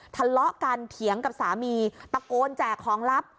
ทะเลาะกันเถียงกับสามีตะโกนแจกของลับ